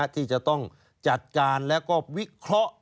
ที่จะต้องจัดการแล้วก็วิเคราะห์